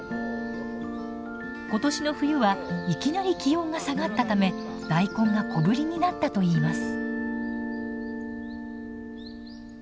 今年の冬はいきなり気温が下がったため大根が小ぶりになったといいます。